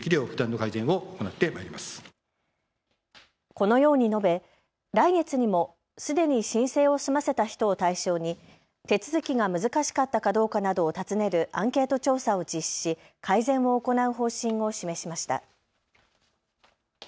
このように述べ来月にもすでに申請を済ませた人を対象に手続きが難しかったかどうかなどを尋ねるアンケート調査を実施し改善を行う方針を示しました。